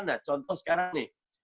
nah contoh sekarang nih